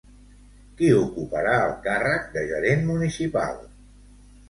Qui ocuparà el càrrec de gerent municipal?